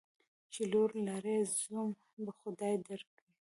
چی لور لرې ، زوم به خدای در کړي.